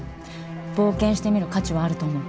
冒険してみる価値はあると思う。